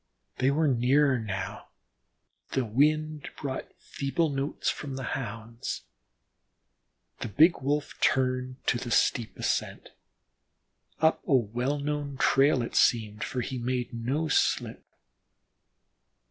They were nearer now, the wind brought feeble notes from the Hounds. The big Wolf turned to the steep ascent, up a well known trail, it seemed, for he made no slip.